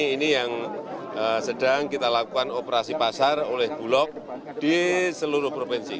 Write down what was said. ini yang sedang kita lakukan operasi pasar oleh bulog di seluruh provinsi